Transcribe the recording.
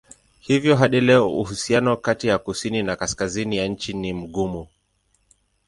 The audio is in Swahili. Hivyo hadi leo uhusiano kati ya kusini na kaskazini ya nchi ni mgumu.